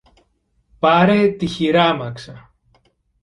Πάρε τη χειράμαξα